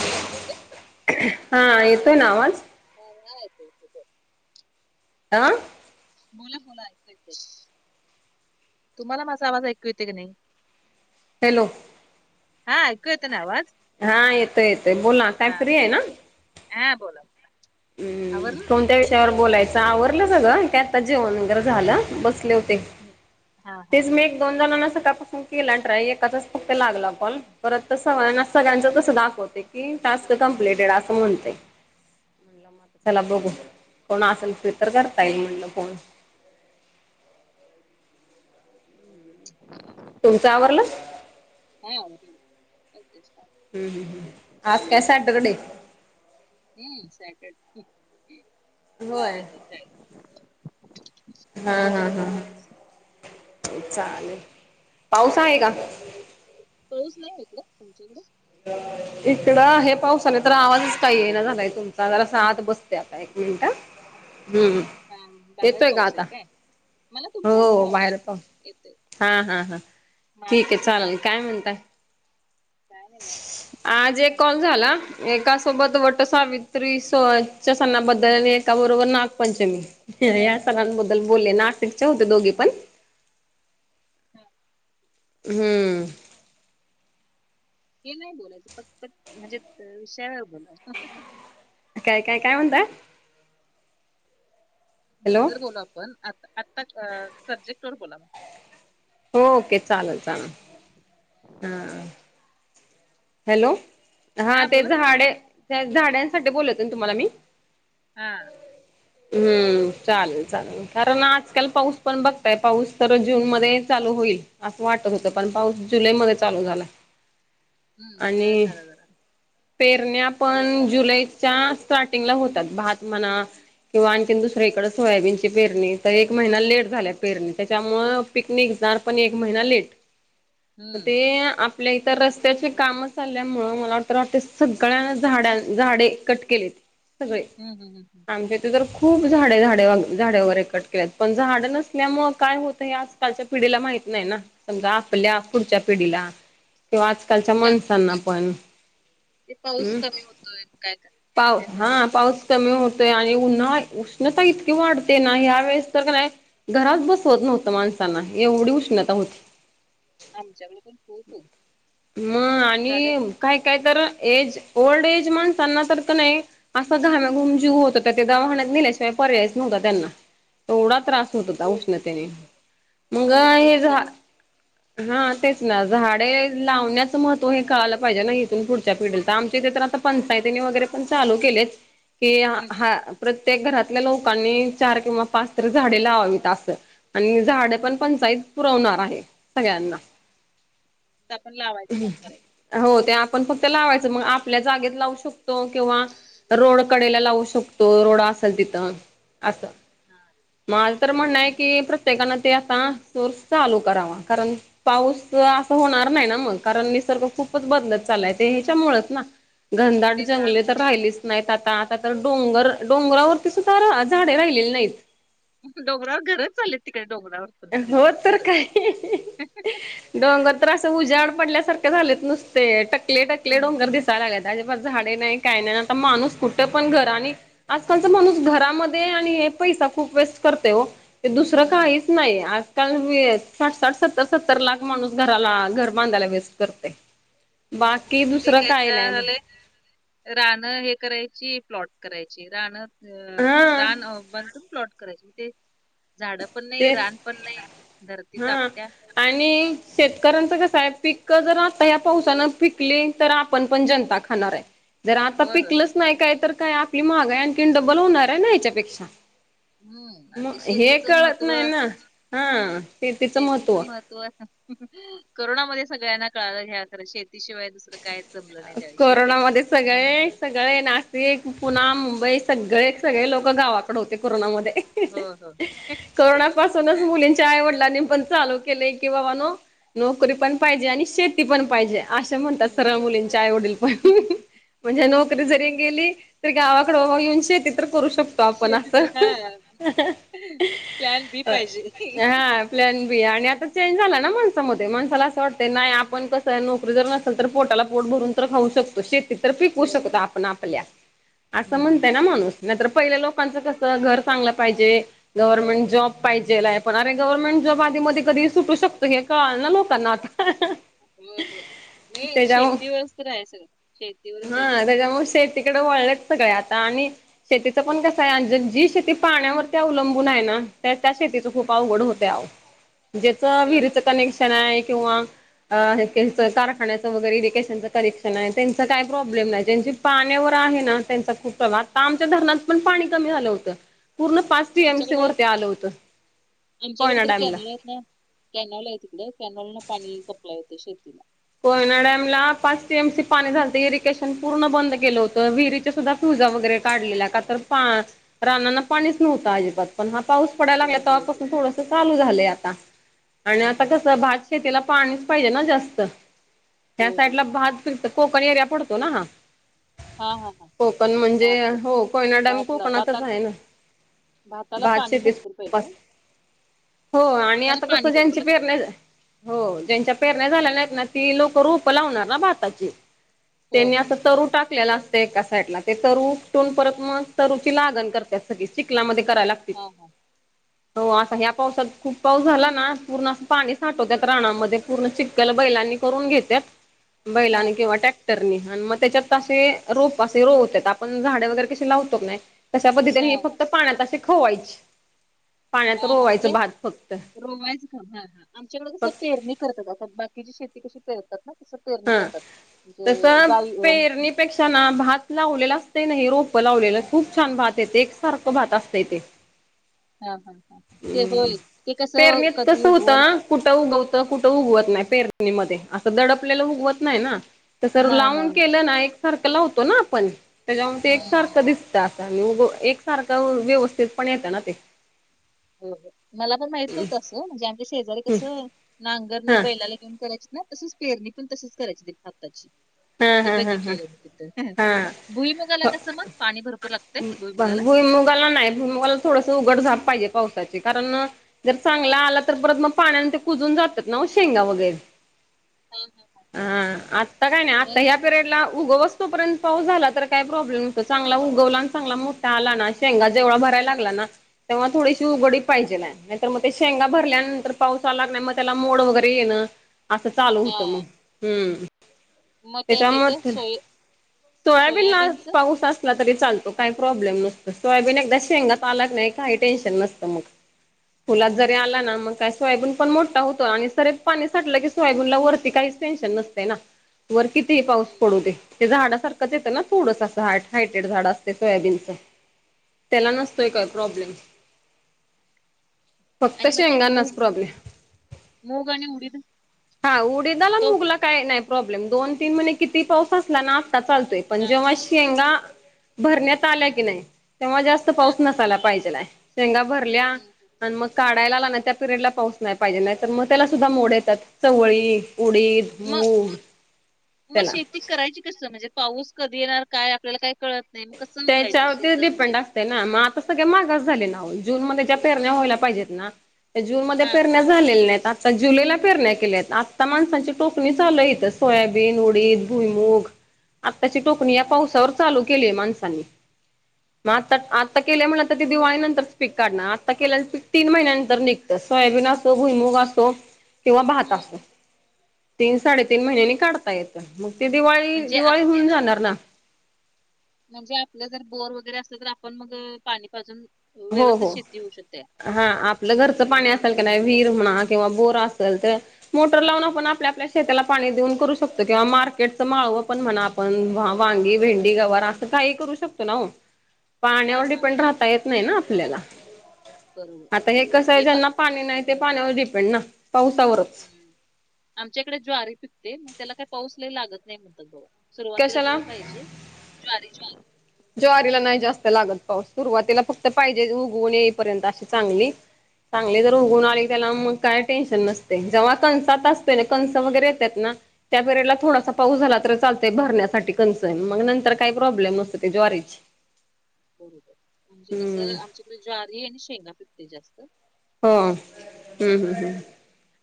हा ऐकू येतंय? हा येतोय ना आवाज? हो ना [unintelligible] आं बोला बोला ऐकू येतय. तुम्हाला माझा आवाज ऐकू येतो की नाही? हॅलो हा ऐकू येते ना आवाज? हा येतोय येतोय, बोला काय हा फ्री आहे ना? हा बोला. हम्म आवरलं? कोणत्या विष त्याच्यावर बोलायचं आवरल सगळ काय आता जेवण वगैरे झालं बसले होते. हां हां तेच हां. मी एक दोन जणना सकाळपासून केला ट्राय एकाचाच फक्त लागला कॉल परत तर सगळ्यांना सगळ्यांचं तसं दाखवतय की टास्क कम्प्लिटेड असं म्हणतय. मग चला बघू कोण असेल त तर करता येईल म्हणलं फोन. [unintelligible] तुमचं आवरल? [unintelligible] हम् हम आज काय सॅटरडे हु... सॅटरडे मुलं होय आली आता शाळेतनं. हा. हा. हा. चालेल, पाऊस आहे का? पाऊस नाही ये इकडं, तुमच्या इकडं. इकडं आहे, पावसानं तर आवाजच काही येना झालायं तुमचा जरासं आत बस ते आता एक मिनिटं हं.. हा बाहेर येतोय का पाऊस आहे आता.? काय? मला हो तुमचा येतोय बाहेर आवाज. पाऊस येतोय. हा. हा. हा. ठीक माझाच आहे, तुम्हाला चालल येईना. काय म्हणताय.? काय निवांत. तुम्ही आज काय एक कॉल म्हणताय? झाला. एका सोबत वट सावित्रीच्या सणाबद्दल आणि एका बरोबर नागपंचमी, या सणांबद्दल बोलले नाशिकच्या होत्या दोघीपण. हा... हूं हे नाही बोलायचं पटपट म्हणजे विषया वेळ बोला. काय, काय, काय म्हणताय? हॅलो नंतर बोलू आपण आ आत्ता सब्जेक्ट वर बोला म. हो ओके चालल, चालल. हां. हॅलो हा ते बोला ना झाडे त्या झाडांसाठी बोलले होते ना तुम्हांला मी. हा हूं.. चालेल, चालेल. कारण आजकाल पाऊस पण बघताय, पाऊस तर जून मध्ये चालू होईल. असं वाटत होतं पण पाऊस जुलै मध्ये चालू झालाय. हम्म वेळ आणि झाला जरा पेरण्या वेळ पण जुलै घ्या स्टार्टिंगला होतात भात म्हणा, किंवा आणखीन दुसरीकडं सोयाबीनची पेरणी तर एक महिना लेट झाल्या पेरणी त्याच्यामुळं पीक निघणार पण एक महिना लेट हम्म ते आपल्या इथं रस्त्याची कामं चालल्यामुळं मला तर वाटतंय सगळ्यांना झाडां झाडे कट केलेत सगळे. हम्, हम, हम, हम... आमच्या इथे तर खूप झाडे, झाडे -झाडे वगैरे कट केल्यात पण झाड नसल्यामुळं काय होतय हे आजकालच्या पिढीला माहित नाही ना, समजा आपल्या पुढच्या पिढीला किंवा आजकाल च्या त्या माणसांना पण. ते पाऊस हम्म कमी होतोय काय का पाऊस हा त्यासाठीच तर, पाऊस कमी होतंय आणि उन्हाळ उष्णता इतकी वाढते ना ह्या वेळेस तर का नाही, घरात बसवत नव्हतं माणसांना, एवढी उष्णता होती. आमच्याकडं पण खूप. मग झाडं आणि खूप काय- काय तर एज, ओल्ड एज माणसांना तर का नाही असा घामाघुम जीव होत होता ते दवाखान्यात नेल्याशिवाय पर्यायच नव्हता त्यांना, एवढा त्रास होत होता ओ उष्णतेने मंग ओल्ड हे एज झा गाव हा तेच ना झाडे लावण्याचं महत्व हे कळालं पाहिजे ना, इथून पुढच्या पिढीला तर आम इथे तर आता हम्म पंचायतीनी वगैरे पण चालू केलेत की हम्म हम्म. हा प्रत्येक घरातल्या लोकांनी चार किंवा पाच तरी झाडे लावावीत असं. आणि झाडं पण पंचाईत पुरवणार आहे सगळ्यांना. फक्त आपण लावायचं काम करायचं. हो ते आपण फक्त लावायचं मग आपल्या जागेत लावू शकतो किंवा रोड कडेला लावू शकतो, रोड असेल तिथं. असं हा माझ तर म्हणणं आहे की प्रत्येकान ते आता सोर्स चालू करावा कारण पाऊस असं होणार नाही ना कारण निसर्ग खूपच बदलत चाललाय, ते ह्याच्यामुळेच ना घनदाट ते झाड जंगली तर राहिलीच नाहीत आता, आता तर डोंगर डोंगरावरती सुद्धा झाडे राहिलेली नाहीत. डोंगरावर घरचं चाललेत तिकडे डोंगरावर. पण हो सगळीकडे तर घर काय डोंगर तर असा ते उजाड पडल्यासारखे झालेत नुसते, टकले ह टकले डोंगर दिस सालागल्यात आणि परत झाडे नाही काही नाही नाही आता माणूस कुठं पण घर आणि आजकालचा माणूस घरामध्ये आणि हे पैसा खूप वेस्ट करते हो ते दुसरं ह काहीच नाही आजकाल साठ साठ सत्तर सत्तर लाख माणूस घराला घर बांधायला वेस्ट करतंय. बाकी दुसरं काय नाही बघ. रानं हे करायची प्लॉट करायची रानं अ हा रान बंद करून प्लॉट करायचे तेच झाड पण नाही तेच रान पण नाही धरती हा तापत्या आणि शेतकऱ्यांचं कसं आहे पीकं जर आता ह्या पावसानं पिकली तर आपण पण जनता खा खाणार आहे. जर आता होय होय पिकलच नाही काय तर काय आपली महागाई आणखीन डबल होणार आहे ना याच्यापेक्षा हम्म आणि ते मग हे शेतीचं कळत महत्व नाही ना हा महत्त्व. शेतीचं महत्व करोनामध्ये सगळ्यांना कळा घ्या खरं शेतीशिवाय दुसरं कायच जमलं नाही त्यावेळी शेतीच कोरोनामध्ये सगळे सगळे नाशिक, पूणा, मुंबई सगळे सगळे लोकं गावाकडे होते कोरोनामध्ये. हो हो करोना पासूनच काय मुलींची च्या आई-वडिलांनी पण चालू केलंय की बाबांनो नोकरी पण पाहिजे आणि शेती पण पाहिजे असे म्हणतात सरळ हम्म मुलींच्या आई-वडील पण म्हणजे नोकरी जरी गेली तरी गावाकडे बाबा येऊन शेती तर करू शक तो आपण शेती अस तर हा प्लॅन बी पाहिजे हां. प्लॅन बी, आणि आता चेंज झाला ना माणसामध्ये मणसाला असं वाटतंय, नाही आपण कसं नोकरी जर नस ल तर पोटाला पोट भरून तर खाऊ शकतो शेतीत तर पिकवू हो शकतो आपण आपल्या. असं हम्म म्हणतय ना माणूस नाहीतर पहिल्या लोकांचं कसं घर चांगलं पाहिजे गव्हर्नमेंट जॉब पाहिजेल आहे. पण अरे गव्हर्नमेंट जॉब आधी मध्ये कधीही सुटू शकतो हे कळालं ना लोकांना आता. [inaudible] होय! होय! नाही त्याच्यामुळे शेतीवरच तर आहे सगळं शेतीवरच आहे सगळं. तिकडे वाळलेच सगळे आता आणि शेतीचं पण कसं आहे जी शेती पाण्यावरती अवलंबून आहे ना त्या त्या शेतीच खूप आवघड होते आहो. ज्याच होय विहारीच होय कनेक्शन आहे किंवा कारखान्या वगैरे इरिकेशनच कनेक्शन आहे त्यांचा काही प्रॉब्लेम नाही ज हम्म त्यांची पाण्यावर आहे ना त्यांचा खूप आता हम्म. आमच्या धरणात पण पाणी कमी झालं होत पूर्ण टीएमसी आमच्याकडे वरती आलं होतं आमच्याकडे कोयना तर डॅमला. कॅनॉल आहेत ना कॅनॉल आहे तिकडे कॅनॉल न पाणी सप्लाय होते शेतीला. कोयना डॅम ला पाच टी. एम. सी. पाणी झालत इरिगेशन पूर्ण बंद केलं होतं विहिरीत च्या सुद्धा फ्युजा वगैरे काढलेल्या का तर पा रानाना पाणीच नव्हतं अजिबात. पण हा पाऊस पडायला होय लागला तेव्हा होय होय. पासून थोडसं चालू झालंय आता आणि आता हम्म कसं भात शेतीला पाणीच पाहिजे ना जास्त त्या होय साइड होय ला भात फिरत कोकण एरिया पडतो ना हा. हा हा हा कोकण म्हणजे भातलं हो कोयना डॅम भातला कोकणातच भाताला आहे ना. भाताला भात पाणी शेती भरपूर पाहिजे ना. हो आणि भाताला आता कसं पाणी भरपूर ज्यांची लागते पेरण्या हो ज्यांच्या पेरण्या झाल्या नाहीत ना ती लोकं रोपं लावणार ना भाताची. होय त्यांनी होय अस तरू टाकलेला असत. एका साईडला, ते तरु उपटून परत मग तरुची लागण करत्यात सगळी चिखलामध्ये करायला साप हा हा [unintelligible] हो असा ह्या पावसात खूप पाऊस झाला ना पूर्ण असं पाणी साठवत्यात राणामध्ये पूर्ण चिखलं बैलांनी करून घेत्यात हा बैलांनी किंवा ट्रॅक्टर ने तर मग त्याच्यात असे रोप असे रोवत्यात. आपण झाडे वगैरे कशी लावतो की नाही तशा पद्धतीने हा हे हा फक्त पाण्यात असे खोवायची. हा हा म्हणजे रोवायच आमच्याकडे कसं फक्त पेरणी करतात, बाकीची शेती कशी पेरतात ना तस पेरणी हा करतात म्हणजे गाय छान भात लावलेला असत नाही रोप लावलेलं खूप छान भात येते एक सारखं भात असतं ते. [inaudible] हा हा ह ते होय ते कसं पेरणीत क कसं बोल होतं कुठं उगवत कुठं उगवत नाही पेरणीमध्ये असं दडपलेलं उगवत नाही ना. तर नाही लावून नाही नाही केलं ना एक सारखं लावतो ना आपण त्याच्यामुळ ते एक हम्म सारखं दिसत. एक सारखं व्यवस्थित पण येतं ना ते. हो मला पण माहित नव्हत असं म्हणजे आमच्या शेजारी ह कसं नांगरणी हा बैलाला करायची ना तसच पेरणी पण तसेच करायची हाताची हा ते हा हा बघितलेलं मी तिथं, हा भुईमुगाला हा कसं मग पाणी भरपूर लागतंय भुईमगाला भुईमुगाला नाही, भुईमुगाला थोडस उघडझाप पाहिजे पावसा कारण जर चांगला आला तर परत मग पाण्यान ते कुजून जातात ना शेंगा वगैरे हा हा हा आता काय नाही आ मग पिरियडला उगवसतो पर्यंत पाऊस झाला तर काय प्रॉब्लेम नसतो चांगला उगवला आणि चांगला मोठा आला ना शेंगा जेवढ्या भरायला हम्म लागला ना तेव्हा थोडीशीड हम्म उघडीक पाहिजेल हाय, नाहीतर मग ते शेंगा भरल्यानंतर पाऊस आला की नाही मग त्याला मोड वगैरे येण असं चालू होतं मग हा हम्म. मग ते ह्याच त्याच्यामध्ये सोय सोयाबीन ला सोयाबीनच पाऊस अस ला तरी चालतो काही प्रॉब्लेम नसतो सोयबीन एकदा शेंगातेन आला की ना काही टेन्शन नसतं मग. हा फुलात हा जरी आला ना मग काय सोयाबीन पण मोठा होतो आणि सरीत पाणी साठलं की सोयाबीनला वरती काहीच टेन्शन नसते ना. वर किती ही पाऊस हम्म हम्म. पडू दे. ते झाडा सारखंच येतं ना थोडंस अस हायटेड झाडं असते सोयाबीनचं. त्याला नसतोय काय प्रॉब्लेम. फक्त आणि मग ते शेंगानाच मूग प्रॉब्लेम, मूग आणि उडीद हा उडीदाला तो मुग काय नाही प्रॉब्लेम दोन तीन महिने कितीही पाऊस असला ना आता चालतोय पण हा जेव्हा शेंगा भरण्यात आल्या की नाही तेव्हा जास्त पाऊस हा. नसायला पाहिजेला शेंगा भरल्या हम्म हम्म. आणि मग काढायला आला नाही त्या पिरियडला पाऊस नाही पाहिजे नाही तर मग त्याला सुद्धा मोड येतात चवळी, उडीद मग हो. मग शेती करायची कस म्हणजे पाऊस कधी येणार काय आपल्याला काय कळत नाही मग कस व्हायच त्याच्यावरती शेत म्हणजे डिपेंड मग असते आता मागास झाले ना ओ, जूनमध्ये ज्या पेरण्या व्हायला पाहिजेत ना जूनमध्ये हा पेरण्या झालेले नाहीत, आता जुलैला पेरण्या केल्या आहेत आता माणसांची टोकणी चालु आहे इथं सोयाबीन, उडीद भुईमूग. आत्ताची टोकणी या हम्म पावसावर चालू केली माणसांनी म आता-आत. आता केल्या म्हन त ते दिवाळीनंतरच पीकं काढणार आता केलंलं पीक तीन महिन्यानंतर निघतं सोयाबीन असो, भुईमुग असो तो किंवा भात हम्म असो, तीन साडेतीन महिन्यानी काढता येतं. मग ते म्हणजे आ दिवाळी-दिवाळी हूंन जाणार ना? म्हणजे आपलं जर बोर वगैरे असलं, तर आपण मग पाणी पाजून हो व्यवस्थित हो शेती होऊ शकते. हा आपलं हम्म घरचं पाणी हम्म असलं का नाही वीहीर म्हणा, किंवा बोर असल त मोटर लावून आपण हम्म. आपल्या आपल्या शेताला पाणी देऊन करू शकतो, किंवा मार्केट च माळव पण म्हणा आपण वांगी, भेंडी, गवार असं काही करू शकतो ना ओ. हा पाण्यावर हा डिपेंड राहता येत नाही ना आपल्याला, बरोबर आता हे कस आहे ज्यांना पाणी नाही ते पाण्यावर डिपेंड ना, पावसावरच. हूं आमच्याईकडे ज्वारीे पिकते, म त्याला काही पाऊस लयी लागत नाही म्हणतात बाबा. सुरुवातीला कशाला तेवढा पाहिजे ज्वारी ज्वारी. ज्वारीला नाही जास्त लागत पाऊस, सुरुवातीला फक्त पाहिजे उगवून येईपर्यंत अशी चांगली. चांगली हम्म जर हम्म उगवून आली त्याला मग. काय टेन्शन नसतय, जव्हा कणसात असतेय ना कणस वगैरे येतात ना त्या पिरेड ला हम्म थोडासा पाऊस झाला तर चालतंय भरण्यासाठी कनसं, मग नंतर काई प्रॉब्लेम नस ते ज्वारीची. बरोबर म्हणजे कस, हम्म आमच्याकडे ज्वारी आणि शेंगा पिकतेय जास्त. हो हूं हूं हूं हम्म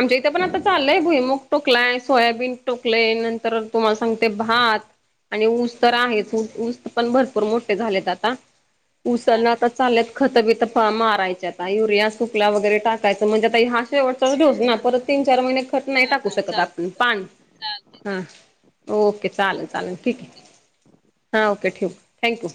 आमच्या इथे पण तर- आता चाललंय भुईमग टोकलाय सोयाबीन टोकलय, नंतर तुम्हांला सांगते भात आणि ऊस तर हम्म. आहेच ऊ-ऊस पण भरपूर मोठे झालेत आता हा ऊसांना हा आता चालल्यात खतबीतं पा मारयचे आता युरिया तुकला वगैरे टाकायचं, म्हणजे आता हे शेवटचाचं डोस ना परत तीन चार महिने खतं नाही हा टाकू हा शकत चालते आपण पान चालते चालते हां ओके चालल, चालल ठीक ओके हे हां ओके ठेव, थँक्यू.